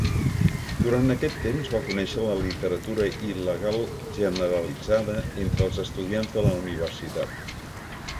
Durant aquest temps va conèixer la literatura il·legal generalitzada entre els estudiants de la Universitat.